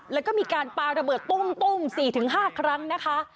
แล้วก็มีการปาระเบิดตุ้ม๔๕ครั้งนะคะ